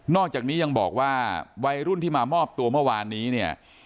อกจากนี้ยังบอกว่าวัยรุ่นที่มามอบตัวเมื่อวานนี้เนี่ย